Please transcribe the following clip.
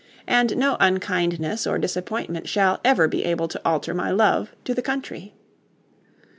And no unkindness or disappointment shall ever be able to alter my love to the country."